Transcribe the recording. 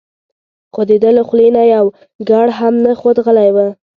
خو دده له خولې نه یو ګړ هم نه خوت غلی و.